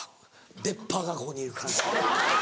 出っ歯がここにいるから。